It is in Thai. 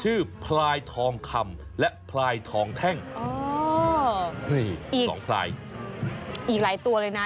พลายทองคำและพลายทองแท่งอ๋อนี่อีกสองพลายอีกหลายตัวเลยนะ